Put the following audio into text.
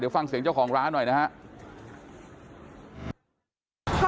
เดี๋ยวฟังเสียงเจ้าของร้านหน่อยนะฮะ